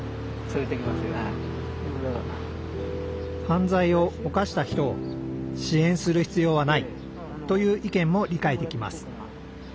犯罪を犯した人を支援する必要はないという意見も理解できます。